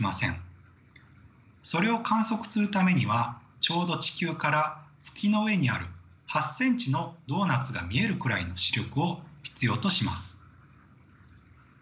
それを観測するためにはちょうど地球から月の上にある８ｃｍのドーナツが見えるくらいの視力を必要とします。